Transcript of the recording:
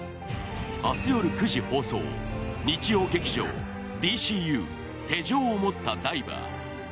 明日夜９時放送、日曜劇場「ＤＣＵ手錠を持ったダイバー」。